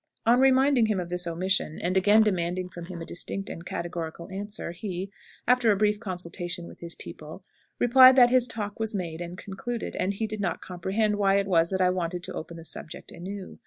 On reminding him of this omission, and again demanding from him a distinct and categorical answer, he, after a brief consultation with his people, replied that his talk was made and concluded, and he did not comprehend why it was that I wanted to open the subject anew.